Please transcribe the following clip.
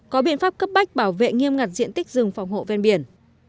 có biện pháp cấp bách bảo vệ nghiêm ngặt diện tích rừng phòng hộ ven biển